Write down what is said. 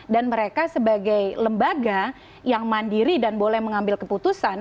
dan mereka sebagai lembaga yang mandiri dan boleh mengambil keputusan